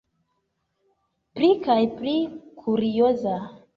Pli kaj pli kurioza.